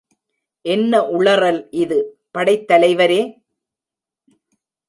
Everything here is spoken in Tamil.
என்ன உளறல் இது படைத்தலைவரே?